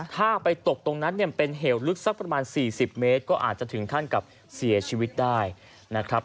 ถ้าไปตกตรงนั้นเนี่ยเป็นเหวลึกสักประมาณ๔๐เมตรก็อาจจะถึงขั้นกับเสียชีวิตได้นะครับ